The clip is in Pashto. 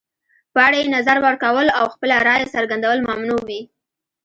په اړه یې نظر ورکول او خپله رایه څرګندول ممنوع وي.